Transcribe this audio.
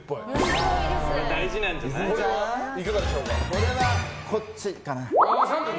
これはこっちかな。